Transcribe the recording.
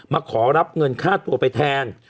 มาขอรับเงินค่าตัวไปแทน